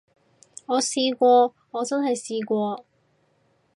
我試過，我真係試過